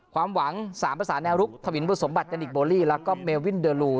ความหวัง๓ภาษาแนวรุกทวินบุสมบัติเดนิคโบลี่แล้วก็เมวินเดอร์ลู